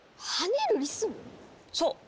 そう！